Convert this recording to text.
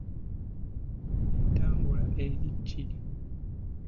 Entambula eri ki?